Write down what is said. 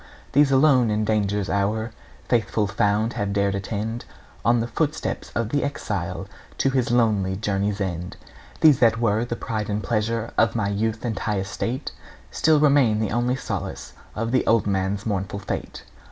These alone in danger's hour Faithful found, have dared attend On the footsteps of the exile To his lonely journey's end. These that were the pride and pleasure Of my youth and high estate Still remain the only solace Of the old man's mournful fate.